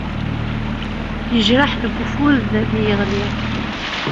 Yejreḥ deg ufud mi yeɣli.